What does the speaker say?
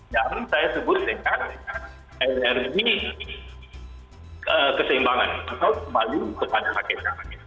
yang saya sebut dengan energi keseimbangan atau kembali ke panjang rakyat